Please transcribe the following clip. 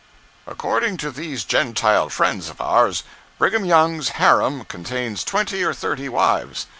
120.jpg (96K) According to these Gentile friends of ours, Brigham Young's harem contains twenty or thirty wives.